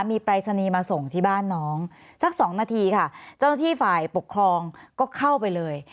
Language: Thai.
มีปรายศนีย์มาส่งที่บ้านน้องสัก๒นาทีค่ะเจ้าหน้าที่ฝ่ายปกครองก็เข้าไปเลย